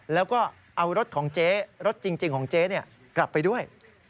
แล้วก็เอารถของเจ๊รถจริงของเจ๊กลับไปด้วย